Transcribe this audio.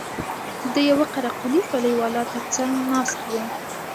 د يوه قره قلي خولۍ والا تر څنگ ناست و.